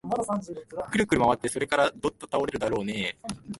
くるくるまわって、それからどたっと倒れるだろうねえ